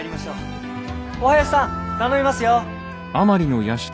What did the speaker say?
お囃子さん頼みますよ。